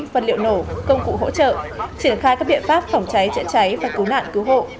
phân liệu nổ công cụ hỗ trợ triển khai các biện pháp phỏng cháy trễ cháy và cứu nạn cứu hộ